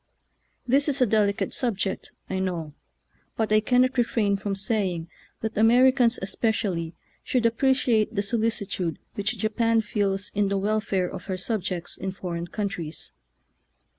This is a delicate subject, I know, but I cannot refrain from saying that Ameri cans especially should appreciate the so licitude which Japan feels in the w r elfare of her subjects in foreign countries.